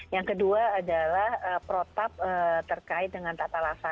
yang kedua adalah protap terkait dengan tata laksa